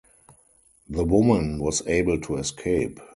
The woman was able to escape.